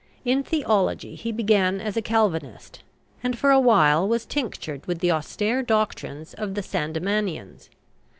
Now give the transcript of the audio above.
In theology he began as a Calvinist, and for a while was tinctured with the austere doctrines of the Sandemanians.